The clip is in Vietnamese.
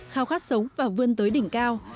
khao khát sống và vươn tới đỉnh cao